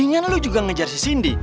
kal lo juga ngejar si cindy